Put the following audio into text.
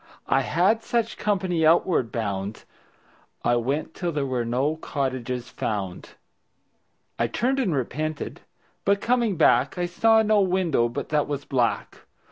I had such company outward bound. I went till there were no cottages found. I turned and repented, but coming back I saw no window but that was black.